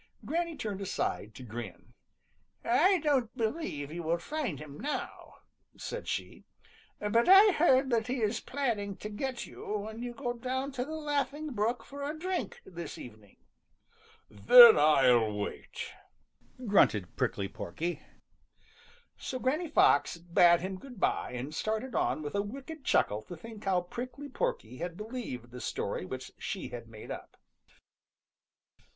Granny turned aside to grin. "I don't believe you will find him now," said she, "but I heard that he is planning to get you when you go down to the Laughing Brook for a drink this evening." "Then I'll wait," grunted Prickly Porky. So Granny Fox bade him good by and started on with a wicked chuckle to think how Prickly Porky had believed the story which she had made up. XII.